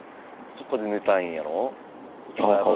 そこで寝たいんやろ？